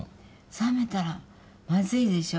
冷めたらまずいでしょ。